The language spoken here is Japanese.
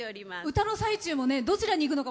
歌の途中もどちらにいくのか